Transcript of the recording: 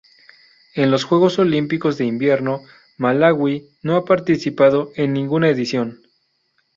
En los Juegos Olímpicos de Invierno Malaui no ha participado en ninguna edición.